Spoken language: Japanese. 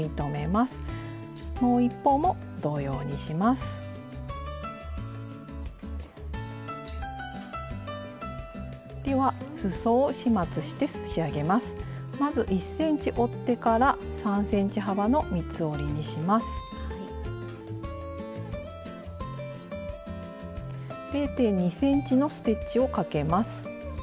まず１ｃｍ折ってから０．２ｃｍのステッチをかけます。